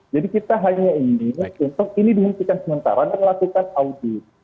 jadi kita hanya ingin untuk ini dimuntikan sementara dan lakukan audit